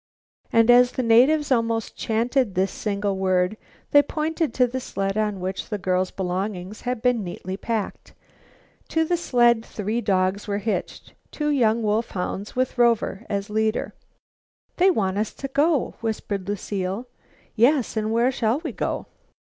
And as the natives almost chanted this single word, they pointed to a sled on which the girls' belongings had been neatly packed. To the sled three dogs were hitched, two young wolf hounds with Rover as leader. "They want us to go," whispered Lucile. "Yes, and where shall we go?"